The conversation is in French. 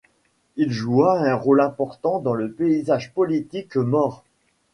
Il joua un rôle important dans le paysage politique maure.